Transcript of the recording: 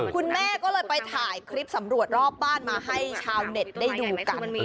คุณแม่ก็เลยไปถ่ายคลิปสำรวจรอบบ้านมาให้ชาวเน็ตได้ดูกัน